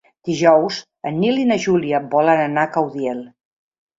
Dijous en Nil i na Júlia volen anar a Caudiel.